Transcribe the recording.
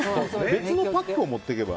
別のパックを持っていけば。